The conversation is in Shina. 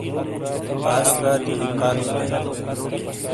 باس راتیو ایفا لوں بے۔